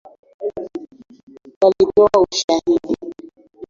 Walitoa ushahidi